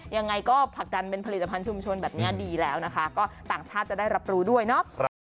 ยังไงก็ผลักดันเป็นผลิตภัณฑุมชนแบบนี้ดีแล้วนะคะก็ต่างชาติจะได้รับรู้ด้วยเนาะ